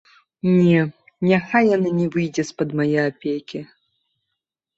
Не, няхай яна не выйдзе з-пад мае апекі.